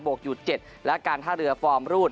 กอยู่๗และการท่าเรือฟอร์มรูด